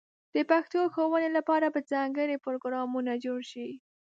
د پښتو ښوونې لپاره به ځانګړې پروګرامونه جوړ شي.